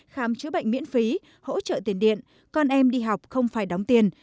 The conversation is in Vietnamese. khám chữa bệnh miễn phí hỗ trợ tiền điện con em đi học không phải đóng tiền